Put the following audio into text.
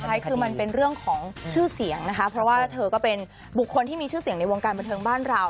ใช่คือมันเป็นเรื่องของชื่อเสียงนะคะเพราะว่าเธอก็เป็นบุคคลที่มีชื่อเสียงในวงการบันเทิงบ้านเรา